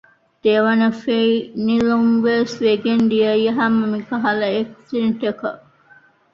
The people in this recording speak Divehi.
ދެވަނަ ފެނިލުންވެސް ވެގެން ދިޔައީ ހަމަ މިކަހަލަ އެކްސިޑެންޓަކަށް